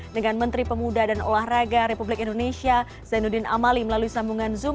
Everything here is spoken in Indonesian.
dengan menteri pemuda dan olahraga republik indonesia zainuddin amali melalui sambungan zoom